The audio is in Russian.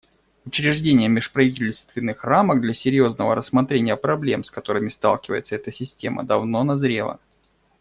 Учреждение межправительственных рамок для серьезного рассмотрения проблем, с которыми сталкивается эта система, давно назрело.